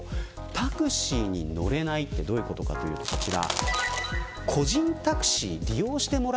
タクシーに乗れないってどういうことかというとこちら。